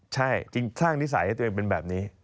ใช่จริงจริงตั้งนิสัยให้ตัวเองเป็นแบบนี้